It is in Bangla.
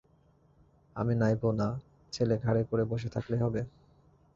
আমি নাইবো, না, ছেলে ঘাড়ে করে বসে থাকলেই হবে?